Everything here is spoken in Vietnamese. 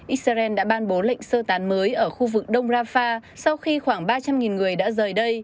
israel đã ban bố lệnh sơ tán mới ở khu vực đông rafah sau khi khoảng ba trăm linh người đã rời đây